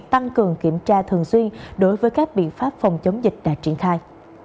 tăng cường kiểm tra thường xuyên đối với các biện pháp phòng chống dịch đã triển khai